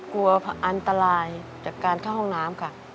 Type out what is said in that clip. กลัวอันตรายจากการเข้าห้องน้ำค่ะ